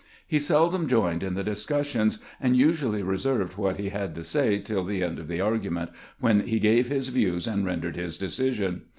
He seldom joined in the discus sions, and usually reserved what he had to say till the end of the argument, when he gave his views and ren dered his decision.